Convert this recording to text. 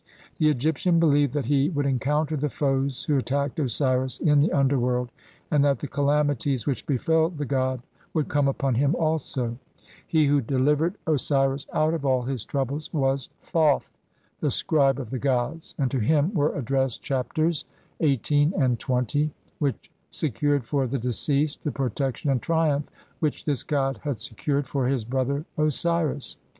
The Egyptian believed that he would encounter the foes who attacked Osiris in the underworld, and that the calamities which befel the god would come upon him also ; he who delivered THE OBJECT AND CONTENTS, ETC. CLXXIX Osiris out of all his troubles was Thoth, the scribe of the gods, and to him were addressed Chapters XVIII and XX, which secured for the deceased the protection and triumph which this god had se cured for "his brother Osiris".